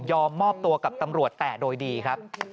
มอบตัวกับตำรวจแต่โดยดีครับ